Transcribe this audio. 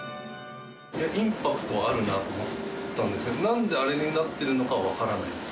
インパクトはあるなと思ったんですけどなんであれになっているのかはわからないです。